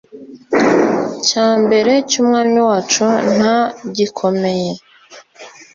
cya mbere cyUmwami wacu nta gikomeye